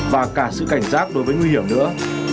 và cả sự cảnh giác đối với nguy hiểm nữa